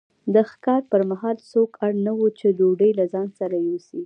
د ښکار پر مهال څوک اړ نه وو چې ډوډۍ له ځان سره یوسي.